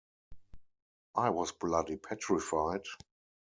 I was bloody petrified.